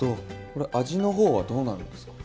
これ味の方はどうなるんですか？